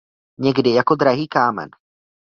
Někdy jako drahý kámen.